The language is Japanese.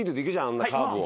あんなカーブを。